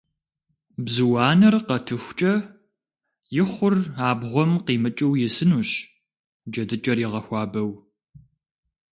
Бзу анэр къэтыхукӀэ, и хъур абгъуэм къимыкӀыу исынущ, джэдыкӀэр игъэхуабэу.